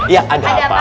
yang ada apa